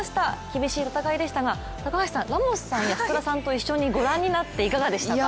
厳しい戦いでしたが、高橋さん、ラモスさんや福田さんと一緒にご覧になっていかがでしたか？